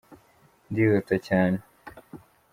ndihuta cyane